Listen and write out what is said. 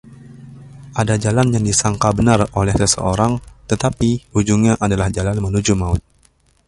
Ada jalan yang disangka benar oleh seseorang, tetapi ujungnya adalah jalan menuju maut.